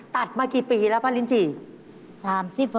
ติดมากี่ปีแล้วป้าลินทรีย์